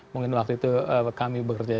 mungkin waktu itu kami bekerja